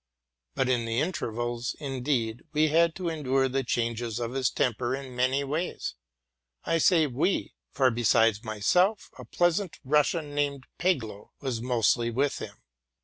But in the intervals, indeed, we had to endure the change of his temper in many ways, I say we; for, besides myself, a pleasant Russian named Peglow was mostly with him.